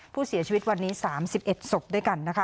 ผู้เสียชีวิตวันนี้๓๑ศพด้วยกันนะคะ